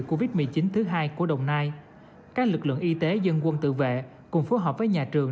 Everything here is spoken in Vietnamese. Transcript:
covid một mươi chín thứ hai của đồng nai các lực lượng y tế dân quân tự vệ cùng phối hợp với nhà trường